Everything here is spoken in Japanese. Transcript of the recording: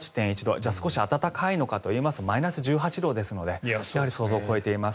じゃあ少し暖かいのかといいますとマイナス１８度ですので想像を超えています。